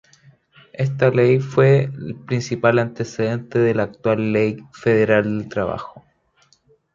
Esta ley fue el principal antecedente de la actual Ley Federal del Trabajo.